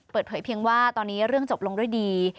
เพียงว่าตอนนี้เรื่องจบลงด้วยดี